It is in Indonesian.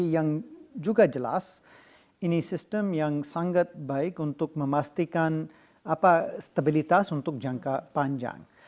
yang juga jelas ini sistem yang sangat baik untuk memastikan stabilitas untuk jangka panjang